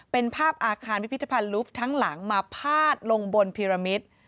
เป็นภาพอาคารพิพิธภัณฑ์ลุฟทั้งหลังมาพาดลงบนพิรมิต